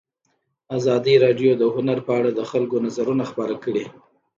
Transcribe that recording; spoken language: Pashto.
ازادي راډیو د هنر په اړه د خلکو نظرونه خپاره کړي.